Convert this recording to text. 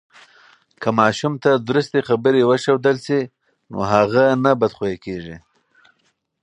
که ماشوم ته درستی خبرې وښودل سي، نو هغه نه بد خویه کیږي.